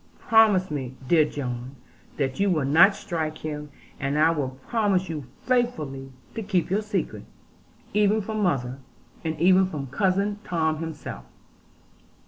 Promise me, dear John, that you will not strike him; and I will promise you faithfully to keep your secret, even from mother, and even from Cousin Tom himself.'